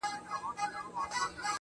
زه خپله مينه ټولومه له جهانه څخه~